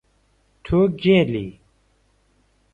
تۆ گێلی!